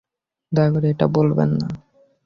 দয়া করে এটা বলবেন না।